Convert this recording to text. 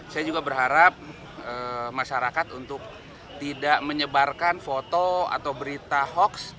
saya juga berharap masyarakat untuk tidak menyebarkan foto atau berita hoax